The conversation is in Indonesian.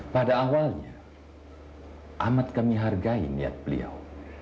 pada awalnya amat kami hargai niat beliau